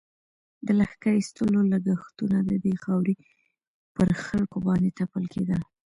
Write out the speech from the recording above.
د لښکر ایستلو لږښتونه د دې خاورې پر خلکو باندې تپل کېدل.